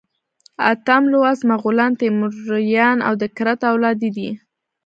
اتم لوست مغولان، تیموریان او د کرت اولادې دي.